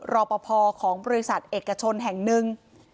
รอปภของบริษัทเอกชนแห่งหนึ่ง